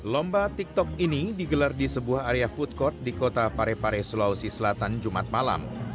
lomba tiktok ini digelar di sebuah area food court di kota parepare sulawesi selatan jumat malam